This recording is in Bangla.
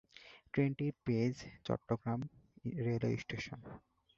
ট্রেনটির বেজ চট্টগ্রাম রেলওয়ে স্টেশন।